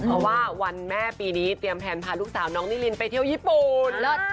เพราะว่าวันแม่ปีนี้เตรียมแผนพาลูกสาวน้องนิรินไปเที่ยวญี่ปุ่น